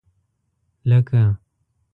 لکه